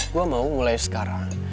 gue mau mulai sekarang